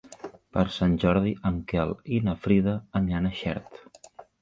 Per Sant Jordi en Quel i na Frida aniran a Xert.